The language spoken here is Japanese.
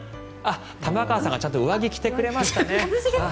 玉川さんがちゃんと上着を着てくれましたね。